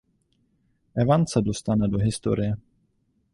Evans se dostane do historie.